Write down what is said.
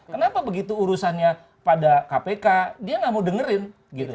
kenapa begitu urusannya pada kpk dia nggak mau dengerin gitu